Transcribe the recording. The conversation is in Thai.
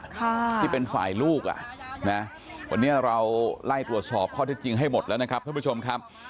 ที่เป็นฝ่ายลูกนะวันนี้เราไล่ตรวจสอบเข้าที่จริงให้หมดแล้วท่านผู้ชมครับ